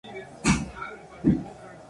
La situación de alelo I es especial.